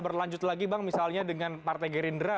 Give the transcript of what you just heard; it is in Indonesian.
berlanjut lagi bang misalnya dengan partai gerindra